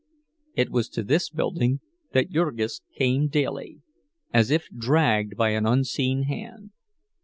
It was to this building that Jurgis came daily, as if dragged by an unseen hand.